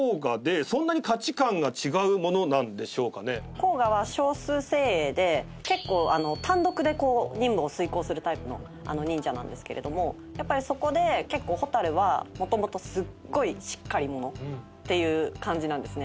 甲賀は少数精鋭で結構単独で任務を遂行するタイプの忍者なんですけれどもやっぱりそこで結構蛍はもともとすっごいしっかり者っていう感じなんですね。